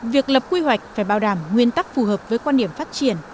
việc lập quy hoạch phải bảo đảm nguyên tắc phù hợp với quan điểm phát triển